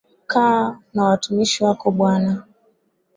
Kaa na watumishi wako bwana